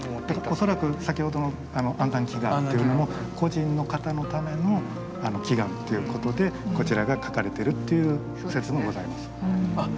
恐らく先ほどの安産祈願というのも個人の方のための祈願ということでこちらが描かれてるっていう説もございます。